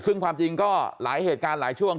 ซึ่งความจริงก็หลายเหตุการณ์หลายช่วง